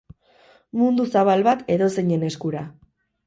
Mundu zabal bat edozeinen eskura.